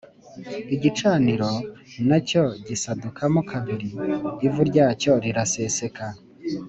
Igicaniro na cyo gisadukamo kabiri ivu ryacyo riraseseka